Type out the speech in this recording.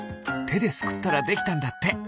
てですくったらできたんだって。